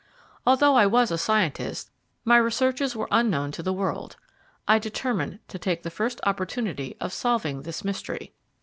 Although I was a scientist, my researches were unknown to the world. I determined to take the first opportunity of solving this mystery.